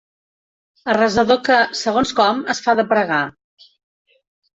Arrasador que, segons com, es fa de pregar.